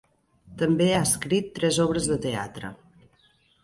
També ha escrit tres obres de teatre.